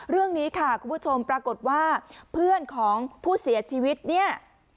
เรื่องนี้ค่ะคุณผู้ชมปรากฏว่าเพื่อนของผู้เสียชีวิตเนี่ย